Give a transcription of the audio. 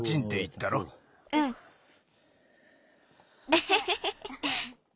フフフフ。